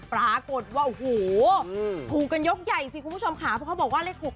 ปรากฎว่าโหหูการยกใหญ่ดิสิคุณผู้ชมค่าเพราะเขาบอกว่าเลขหก